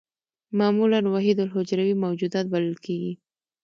معمولاً وحیدالحجروي موجودات بلل کېږي.